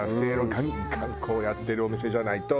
ガンガンこうやってるお店じゃないと。